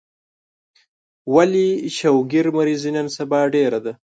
ولي شوګر مريضي نن سبا ډيره ده